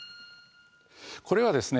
これはですね